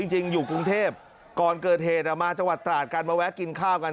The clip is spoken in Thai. จริงอยู่กรุงเทพก่อนเกิดเหตุมาจังหวัดตราดกันมาแวะกินข้าวกัน